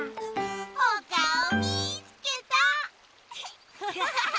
おかおみつけた！